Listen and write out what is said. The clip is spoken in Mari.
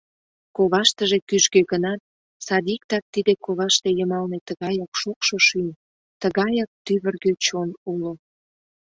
Коваштыже кӱжгӧ гынат, садиктак тиде коваште йымалне тыгаяк шокшо шӱм, тыгаяк тӱвыргӧ чон уло...